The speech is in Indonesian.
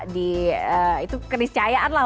di itu keris cayaan lah